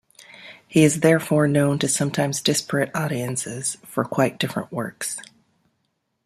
He is therefore known to sometimes disparate audiences for quite different works.